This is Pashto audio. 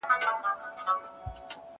هغه څوک چي مڼې خوري قوي وي،